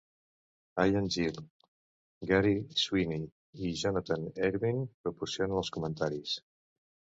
Ian Gill, Garry Sweeney i Jonathan Ervine proporcionen els comentaris.